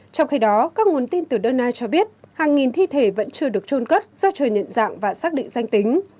trong khi đó các nguồn tin từ dona cho biết hàng nghìn thi thể vẫn chưa được trôn cất do trời nhận dạng và xác định danh tính